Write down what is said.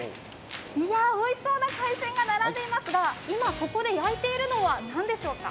おいしそうな海鮮が並んでいますが、焼いているのは何でしょうか。